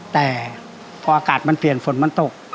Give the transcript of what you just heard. แต่พออากาศมันเปลี่ยนฝนมันตก